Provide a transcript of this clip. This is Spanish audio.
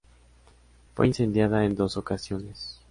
Fue incendiada en dos ocasiones.